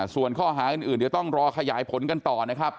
ส่วนข้อหาอื่นเดี๋ยวต้องรอขยายผลกันต่อนะครับ